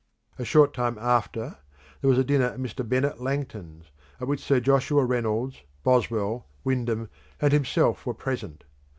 A short time after, there was a dinner at Mr. Bennet Langton's, at which Sir Joshua Reynolds, Boswell, Windham, and himself were present.